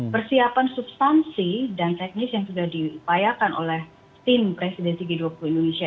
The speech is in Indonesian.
persiapan substansi dan teknis yang sudah diupayakan oleh tim presidensi g dua puluh indonesia